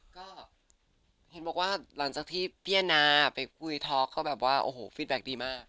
ก็เห็นบอกว่าหลังจากที่พี่อาณาไปคุยทอล์กก็แบบว่าโอ้โหฟีดแบ็คดีมาก